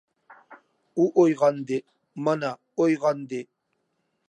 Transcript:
ئۇ ئويغاندى، مانا، ئويغاندى!